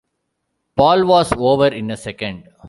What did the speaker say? Paul was over in a second.